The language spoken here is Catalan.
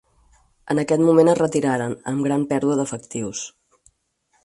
En aquest moment es retiraren, amb gran pèrdua d'efectius.